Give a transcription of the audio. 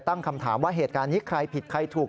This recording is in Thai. ตั้งคำถามว่าเหตุการณ์นี้ใครผิดใครถูก